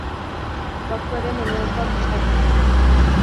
Gaurko ere menu gozoa prestatu dute.